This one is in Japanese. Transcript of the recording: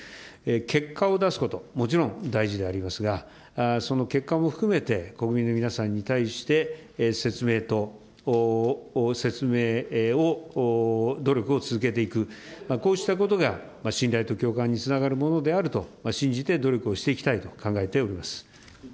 結果を出すこと、もちろん大事でありますが、その結果も含めて、国民の皆さんに対して、説明を努力を続けていく、こうしたことが信頼と共感につながるものであると信じて努力をし赤羽一嘉君。